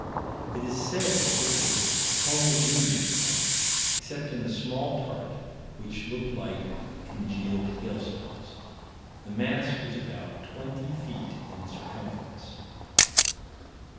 It is said that this was homogeneous ice, except in a small part, which looked like congealed hailstones. The mass was about 20 feet in circumference.